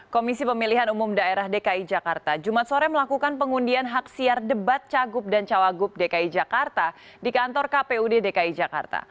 komisi pemilihan umum daerah dki jakarta jumat sore melakukan pengundian hak siar debat cagup dan cawagup dki jakarta di kantor kpud dki jakarta